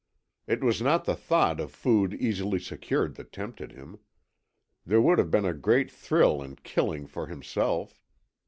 It was not the thought of food easily secured that tempted him. There would have been a greater thrill in killing for himself.